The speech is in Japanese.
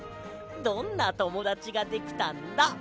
どんなともだちができたんだ？